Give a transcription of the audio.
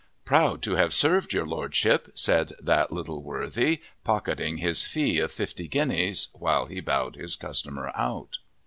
"Proud to have served your Lordship," said that little worthy, pocketing his fee of fifty guineas, while he bowed his customer out.